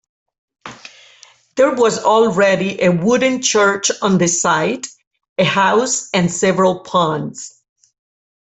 There was already a wooden church on the site, a house and several ponds.